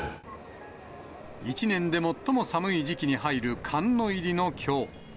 一年で最も寒い時期に入る寒の入りのきょう。